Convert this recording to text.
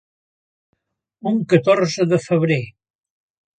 Un catorze de febrer.